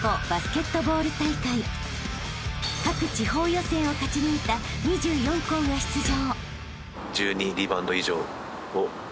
［各地方予選を勝ち抜いた２４校が出場］